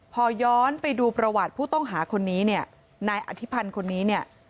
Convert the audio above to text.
พอย้อนไปดูประวัติผู้ต้องหาคนนี้เนี่ยนายอธิพันธ์คนนี้เนี่ย